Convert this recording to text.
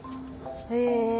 へえ。